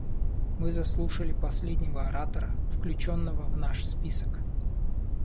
Мы заслушали последнего оратора, включенного в наш список.